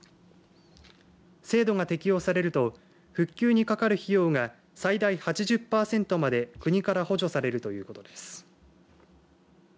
制度が適用されると復旧にかかる費用が最大８０パーセントまで国から補助されるということです。